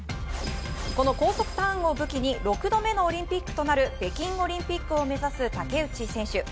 この高速ターンを武器に６度目のオリンピックとなる北京オリンピックを目指す竹内選手。